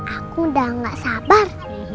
aku udah nggak sabar